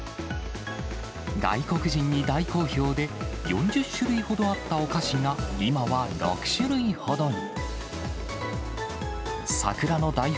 外国人に大好評で、４０種類ほどあったお菓子が今は６種類ほどに。